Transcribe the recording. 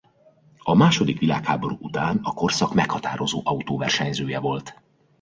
A második világháború után a korszak meghatározó autóversenyzője volt.